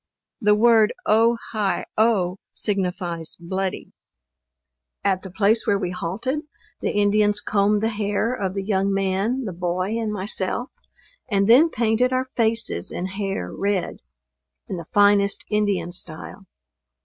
The word O hi o, signifies bloody. At the place where we halted, the Indians combed the hair of the young man, the boy and myself, and then painted our faces and hair red, in the finest Indian style.